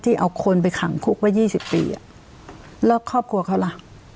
เอาคนไปขังคุกไว้๒๐ปีอ่ะแล้วครอบครัวเขาล่ะ